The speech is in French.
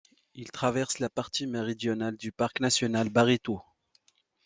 Il traverse la partie méridionale du parc national Baritú.